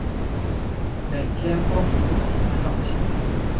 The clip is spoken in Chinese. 累迁光禄寺少卿。